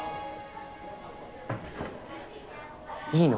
いいの？